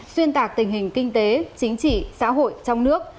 xuyên tạc tình hình kinh tế chính trị xã hội trong nước